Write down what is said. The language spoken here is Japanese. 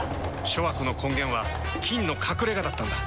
諸悪の根源は「菌の隠れ家」だったんだ。